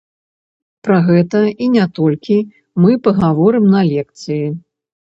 Пра гэта і не толькі мы пагаворым на лекцыі.